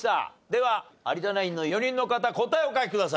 では有田ナインの４人の方答えをお書きください。